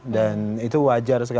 dan itu wajar